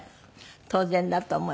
当然だと思いますよね。